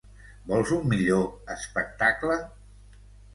Vols un millor espectacle?